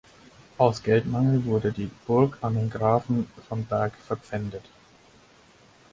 Aus Geldmangel wurde die Burg an den Grafen von Berg verpfändet.